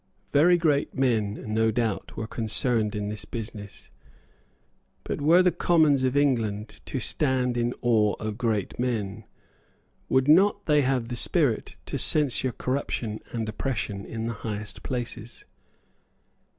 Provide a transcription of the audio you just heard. Very great men, no doubt, were concerned in this business. But were the Commons of England to stand in awe of great men? Would not they have the spirit to censure corruption and oppression in the highest places?